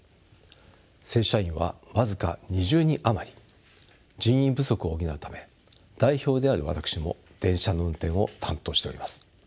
正社員は僅か２０人余り人員不足を補うため代表である私も電車の運転を担当しております。